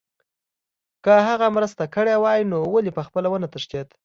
که هغه مرسته کړې وای نو ولې پخپله ونه تښتېد